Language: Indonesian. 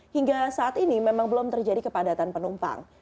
hingga saat ini memang belum terjadi kepadatan penumpang